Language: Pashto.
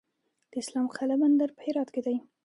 د اسلام قلعه بندر په هرات کې دی